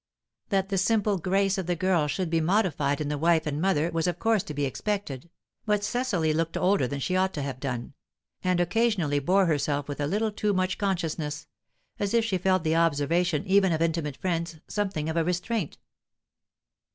That the simple grace of the girl should be modified in the wife and mother was of course to be expected, but Cecily looked older than she ought to have done, and occasionally bore herself with a little too much consciousness, as if she felt the observation even of intimate friends something of a restraint.